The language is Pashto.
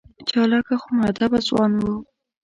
چالاکه خو مودبه ځوان و.